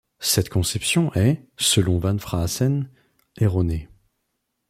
Cette conception est, selon Van Fraassen, erronée.